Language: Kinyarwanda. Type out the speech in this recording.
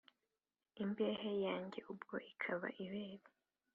Imbehe yanjye ubwo ikaba ibere